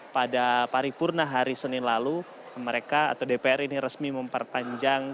pada paripurna hari senin lalu mereka atau dpr ini resmi memperpanjang